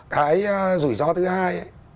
cái rủi ro thứ hai